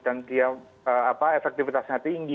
dan dia efektivitasnya tinggi